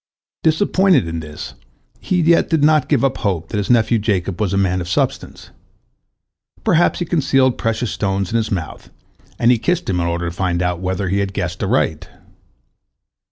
Disappointed in this, he yet did not give up hope that his nephew Jacob was a man of substance. Perhaps he concealed precious stones in his mouth, and he kissed him in order to find out whether he had guessed aright.